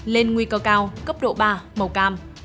lên nguy cơ cao cấp độ ba màu cam